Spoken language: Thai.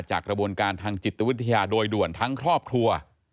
กระบวนการทางจิตวิทยาโดยด่วนทั้งครอบครัว